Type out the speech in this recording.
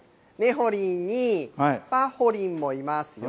ほりんに、ぱほりんもいますよ。